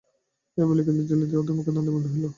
এই বলিয়া কৃতাঞ্জলি হইয়া অধোমুখে দণ্ডায়মান রহিল।